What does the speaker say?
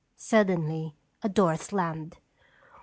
Suddenly a door slammed.